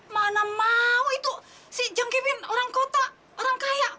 mana mau itu si jengkipin orang kota orang kaya